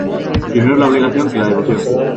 Primero es la obligación que la devoción.